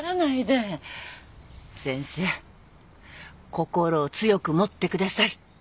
心を強く持ってください。